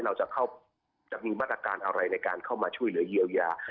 เราจะมีมาตรการอะไรในการเข้ามาช่วยเหลือเยียวยา